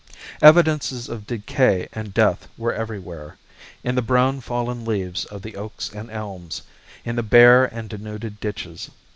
Evidences of decay and death were everywhere in the brown fallen leaves of the oaks and elms; in the bare and denuded ditches.